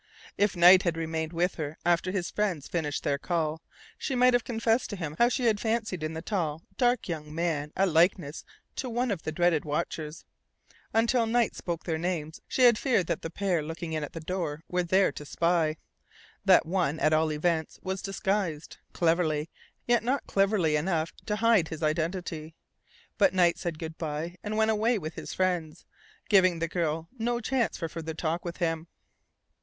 If Knight had remained with her after his friends finished their call, she might have confessed to him how she had fancied in the tall, dark young man a likeness to one of the dreaded watchers. Until Knight spoke their names she had feared that the pair looking in at the door were there to spy; that one, at all events, was disguised cleverly, yet not cleverly enough quite to hide his identity. But Knight said good bye, and went away with his friends, giving the girl no chance for further talk with him.